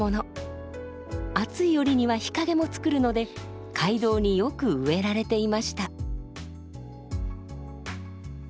暑い折には日陰もつくるので街道によく植えられていました。